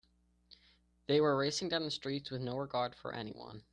They were racing down the streets with no regard for anyone.